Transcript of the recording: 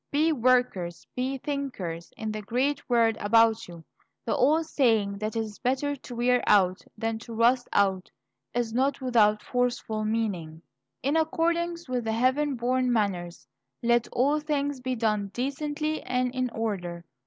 Be workers, be thinkers, in the great world about you. The old saying that it is better to wear out than to rust out is not without forceful meaning. In accordance with heaven born manners, "let all things be done decently and in order."